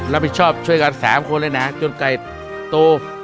รับผิดชอบช่วยกัน๓คนเลยนะจนไก่โต